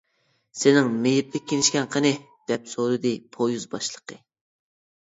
-سېنىڭ مېيىپلىك كىنىشكاڭ قېنى؟ -دەپ سورىدى پويىز باشلىقى.